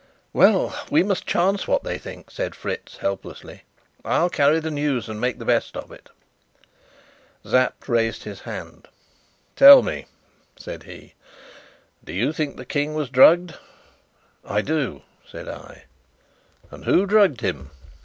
"Well, we must chance what they think," said Fritz helplessly. "I'll carry the news and make the best of it." Sapt raised his hand. "Tell me," said he. "Do you think the King was drugged?" "I do," said I. "And who drugged him?"